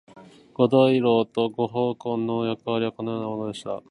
五大老と五奉行の役割はこのようなものでした。